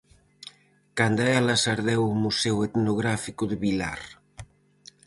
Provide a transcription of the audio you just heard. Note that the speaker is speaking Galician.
Canda elas ardeu o museo etnográfico de Vilar.